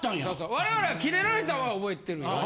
我々はキレられたんは覚えてるよ。